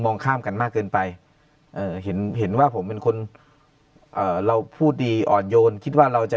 ข้ามกันมากเกินไปเอ่อเห็นเห็นว่าผมเป็นคนเอ่อเราพูดดีอ่อนโยนคิดว่าเราจะ